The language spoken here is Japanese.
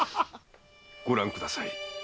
ご覧ください。